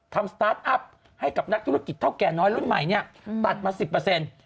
สตาร์ทอัพให้กับนักธุรกิจเท่าแก่น้อยรุ่นใหม่เนี่ยตัดมาสิบเปอร์เซ็นต์